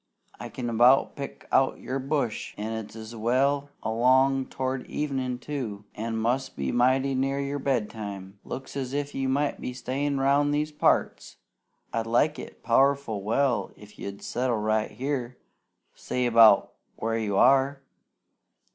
I can about pick out your bush, an' it's well along towards evenin', too, an' must be mighty near your bedtime. Looks as if you might be stayin' round these parts! I'd like it powerful well if you'd settle right here, say 'bout where you are.